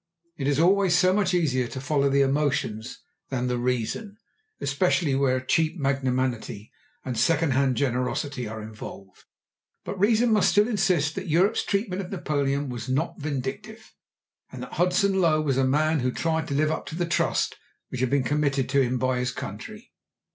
It is always so much easier to follow the emotions than the reason, especially where a cheap magnanimity and second hand generosity are involved. But reason must still insist that Europe's treatment of Napoleon was not vindictive, and that Hudson Lowe was a man who tried to live up to the trust which had been committed to him by his country.